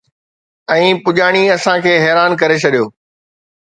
۽ پڄاڻي اسان کي حيران ڪري ڇڏيو